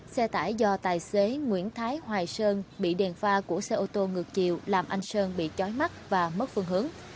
xe tải do tài xế nguyễn thái hoài sơn bị đèn pha của xe ô tô ngược chiều làm anh sơn bị chói mắt và mất phương hướng